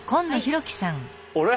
あれ？